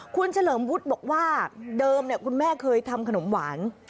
คุณเฉลิมวุฒิบอกว่าเดิมคุณแม่เคยทำขนมหวาน